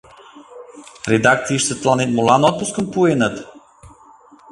— Редакцийыште тыланет молан отпускым пуэныт?